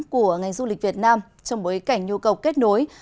của ngành du lịch việt nam trong bối cảnh nhu cầu kết nối